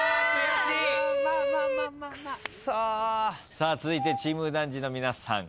さあ続いてチーム右團次の皆さん。